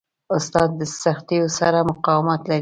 استاد د سختیو سره مقاومت لري.